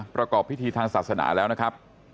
ประกอบพิธีทางศาสนาแล้วนะครับ